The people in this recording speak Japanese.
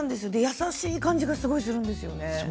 優しい感じがするんですよね。